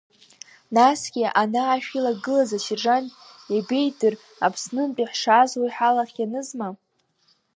Насгьы ана ашә илагылаз асержант иабеидыр Аԥснынтәи ҳшааз, уи ҳалахь ианызма?